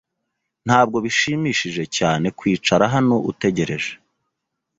Ntabwo bishimishije cyane kwicara hano utegereje .